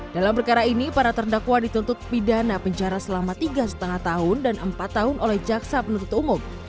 dalam perkara ini para terdakwa dituntut pidana penjara selama tiga lima tahun dan empat tahun oleh jaksa penuntut umum